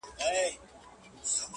تر هغو چې له تلکې نه خلاصېږم